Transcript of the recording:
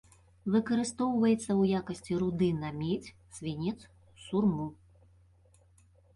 Выкарыстоўваецца ў якасці руды на медзь, свінец, сурму.